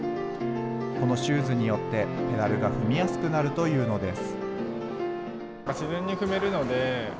このシューズによって、ペダルが踏みやすくなるというのです。